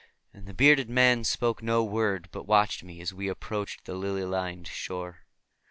And the bearded man spoke no word, but watched me as we approached the lily lined shore.